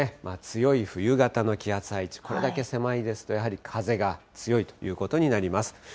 強い冬型の気圧配置、これだけ狭いですと、やはり風が強いということになります。